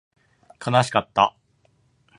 悲しかった